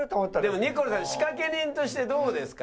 でもニコルさん仕掛け人としてどうですか？